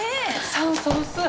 酸素薄っ！